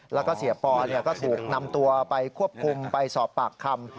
แล้วก็เสียปอก็ถูกนำตัวไปควบคุมไปสอบปากคำ